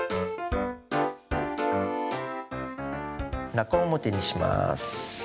中表にします。